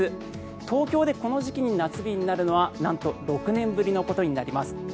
東京でこの時期に夏日になるのはなんと６年ぶりのことになります。